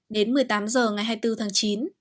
đến một mươi tám h ngày hai mươi bốn tháng chín